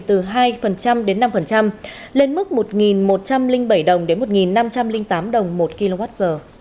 từ hai đến năm lên mức một một trăm linh bảy đồng đến một năm trăm linh tám đồng một kwh